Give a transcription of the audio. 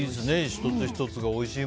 １つ１つがおいしい